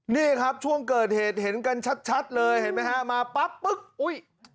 นี่ครับช่วงเกิดเหตุเห็นกันชัดเลยเห็นไหมฮะมาปั๊บปุ๊บอุ้ย